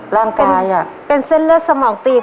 ร่างกายเป็นเส้นเลือดสมองตีบ